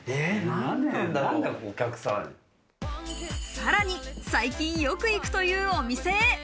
さらに最近よく行くというお店へ。